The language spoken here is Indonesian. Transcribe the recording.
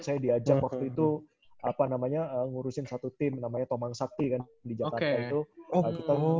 saya diajak waktu itu apa namanya ngurusin satu tim namanya tomang sakti kan di jakarta itu kita